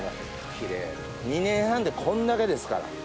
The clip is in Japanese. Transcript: キレイやな２年半でこんだけですから。